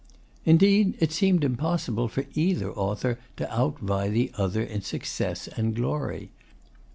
Indeed, it seemed impossible for either author to outvie the other in success and glory.